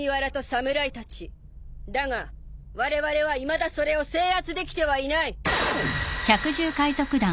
だがわれわれはいまだそれを制圧できてはいない。